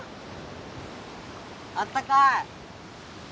あったかい！